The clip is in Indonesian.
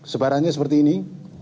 sebarannya seperti ini